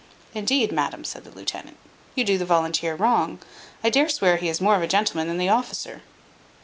"Indeed, madam," said the lieutenant, "you do the volunteer wrong: I dare swear he is more of a gentleman than the officer."